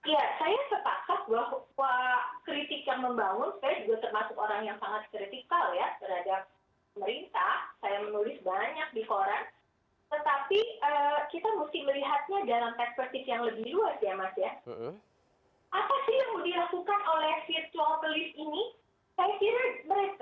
ya saya sepakat bahwa kritik yang membangun saya juga termasuk orang yang sangat kritikal ya terhadap merintah